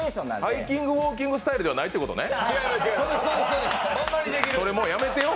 ハイキングウォーキングスタイルじゃないのね？